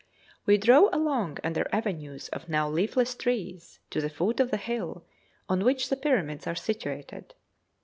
We drove along under avenues of now leafless trees to the foot of the hill on which the Pyramids are situated.